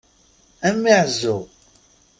A mmi ɛezzu!